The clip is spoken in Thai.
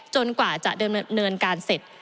กว่าจะดำเนินการเสร็จ